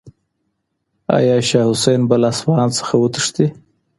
آیا شاه حسین به له اصفهان څخه وتښتي؟